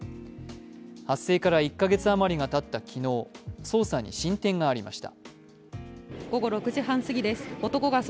発生から１か月余りがたった昨日、捜査に進展がありました。